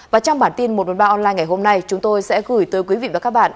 và trong bản tin một trăm bốn mươi ba online ngày hôm nay chúng tôi sẽ gửi tới quý vị và các bạn